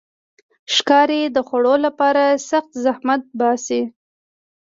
ښکاري د خوړو لپاره سخت زحمت باسي.